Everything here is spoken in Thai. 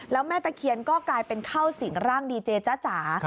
แล้วแม่ตะเคียนก็กลายเป็นเข้าสิ่งร่างดีเจจ๊ะจ๋า